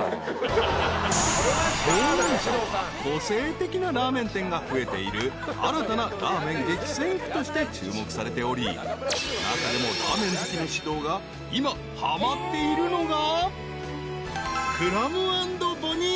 ［方南町は個性的なラーメン店が増えている新たなラーメン激戦区として注目されており中でもラーメン好きの獅童が今はまっているのが］